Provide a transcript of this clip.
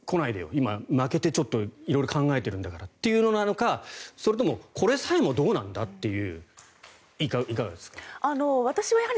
今、負けてちょっと色々考えているんだからというのなのかそれともこれさえもどうなんだっていう。